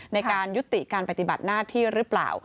ในการยุติการปฏิบัติหน้าที่หรือเปล่า